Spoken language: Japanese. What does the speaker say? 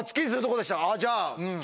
じゃあ。